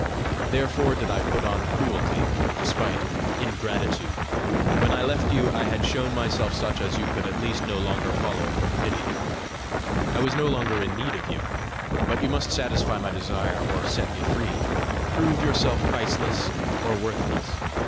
Therefore did I put on cruelty, despite, ingratitude. When I left you, I had shown myself such as you could at least no longer follow from pity: I was no longer in need of you! But you must satisfy my desire or set me free prove yourself priceless or worthless!